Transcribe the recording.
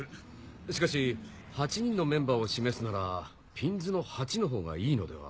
しかし８人のメンバーを示すならピンズの８のほうがいいのでは？